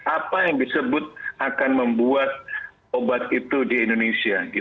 apa yang disebut akan membuat obat itu di indonesia